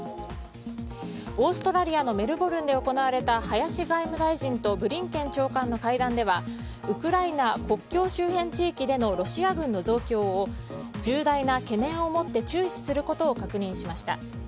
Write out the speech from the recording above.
オーストラリアのメルボルンで行われた林外務大臣とブリンケン長官の会談ではウクライナ国境周辺地域でのロシア軍の増強を重大な懸念を持って注視することを確認しました。